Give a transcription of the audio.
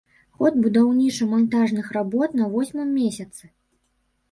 Ход будаўніча-мантажных работ на восьмым месяцы.